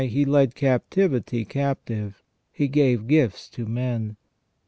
He led captivity captive ; He gave gifts to men.